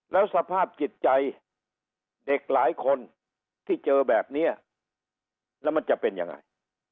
แล้วสภาพจิตใจเด็กหลายคนที่เจอแบบนี้แล้วมันจะเป็นยังไง